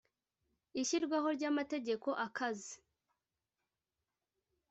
ishyirwaho ry’amategeko akaze